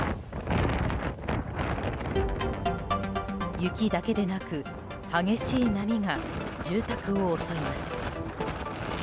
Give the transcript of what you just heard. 雪だけでなく激しい波が住宅を襲います。